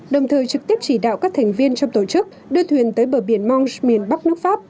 đồng thời trực tiếp chỉ đạo các thành viên trong tổ chức đưa thuyền tới bờ biển maunc miền bắc nước pháp